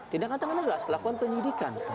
tindakan tangan adalah selakuan penyidikan